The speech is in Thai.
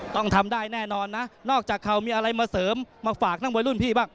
ต้องทำได้แน่นอนนะนอกจากเขามีอะไรมาเสริมมาฝากนักมวยรุ่นพี่บ้าง